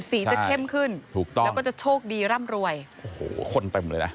สีจะเข้มขึ้นถูกต้องแล้วก็จะโชคดีร่ำรวยโอ้โหคนเต็มเลยนะ